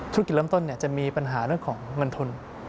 ธุรกิจเริ่มต้นจะมีปัญหาเรื่องของเงินทุน